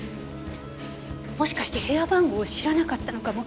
もしかして部屋番号を知らなかったのかも。